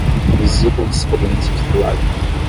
Visita de experiência de trabalho